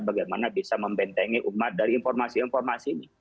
bagaimana bisa membentengi umat dari informasi informasi ini